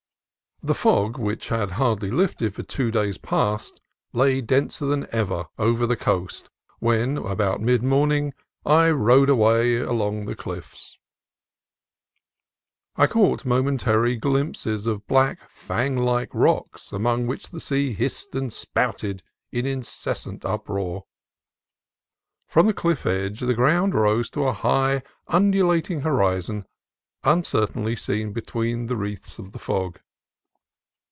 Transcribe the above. THE fog, which had hardly lifted for two days past, lay denser than ever over the coast when, about mid morning, I rode away along the cliffs. I caught momentary glimpses of black, fang like rocks among which the sea hissed and spouted in incessant uproar. From the cliff edge the ground rose to a high, undulating horizon uncertainly seen between the wreaths of the fog.